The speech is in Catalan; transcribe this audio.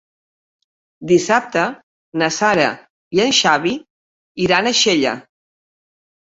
Dissabte na Sara i en Xavi iran a Xella.